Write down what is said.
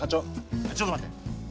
ちょっと待って。